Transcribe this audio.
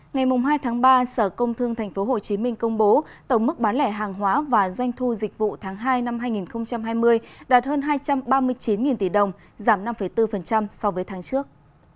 ngày hai tháng ba sở công thương tp hcm công bố tổng mức bán lẻ hàng hóa và doanh thu dịch vụ tháng hai năm hai nghìn hai mươi đạt hơn hai trăm ba mươi chín tỷ đồng giảm năm bốn so với tháng trước